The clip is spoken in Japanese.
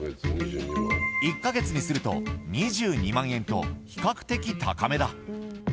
１か月にすると２２万円と比較的高めだ。